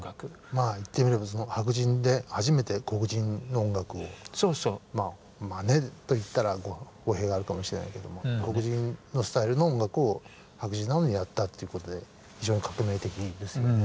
まあ言ってみれば白人で初めて黒人の音楽をまねと言ったら語弊があるかもしれないけども黒人のスタイルの音楽を白人なのにやったっていうことで非常に革命的ですよね。